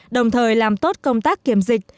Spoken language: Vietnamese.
đồng thời làm tốt công tác kiểm dịch